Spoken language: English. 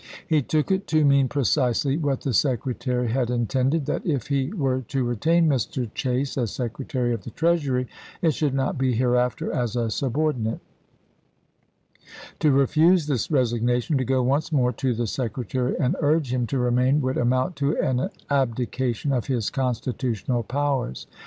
He took it to mean precisely what the Secretary had intended — that if he were to retain Mr. Chase as Secretary of the Treasury, it should not be hereafter as a subor dinate ; to refuse this resignation, to go once more to the Secretary and urge him to remain, would amount to an abdication of his constitutional powers.